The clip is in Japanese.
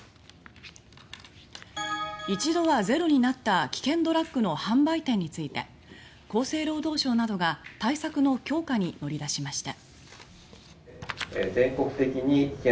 一度はゼロになった危険ドラッグの販売店について厚生労働省などが対策の強化に乗り出しました。